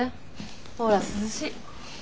ほら涼しい。